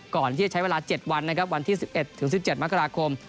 ก่อนที่จะใช้เวลา๗วันวันที่๑๑๑๗ม